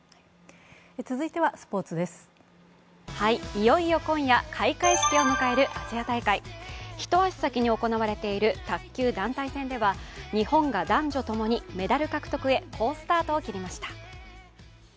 いよいよ今夜開会式を迎えるアジア大会、一足先に行われている卓球・団体戦では日本が男女ともに、メダル獲得へ好スタートを切りました。